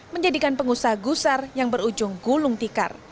menjadikan pengusaha gusar yang berujung gulung tikar